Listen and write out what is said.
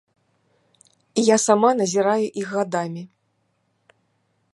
Я сама назіраю іх гадамі.